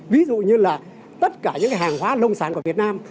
ví dụ như là tất cả những cái hàng hóa nông sản của việt nam